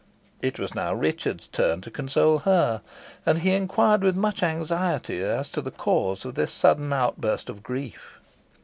It was now Richard's turn to console her, and he inquired with much anxiety as to the cause of this sudden outburst of grief.